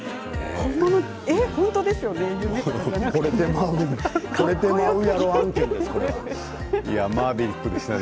本当ですよね。